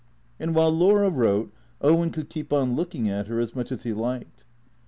And while Laura wrote, Owen could keep on looking at her as much as he liked.